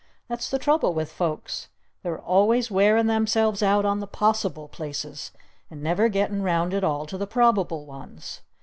That's the trouble with folks! They're always wearin' themselves out on the Possible Places and never gettin' round at all to the Probable ones!